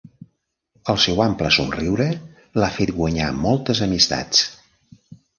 El seu ample somriure l'ha fet guanyar moltes amistats.